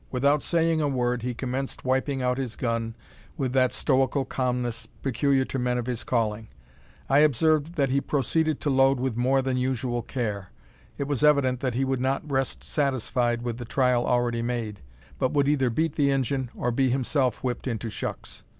Without saying a word, he commenced wiping out his gun with that stoical calmness peculiar to men of his calling. I observed that he proceeded to load with more than usual care. It was evident that he would not rest satisfied with the trial already made, but would either beat the "Injun," or be himself "whipped into shucks."